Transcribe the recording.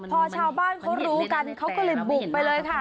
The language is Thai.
พอชาวบ้านเขารู้กันเขาก็เลยบุกไปเลยค่ะ